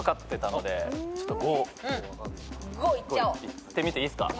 いってみていいっすか？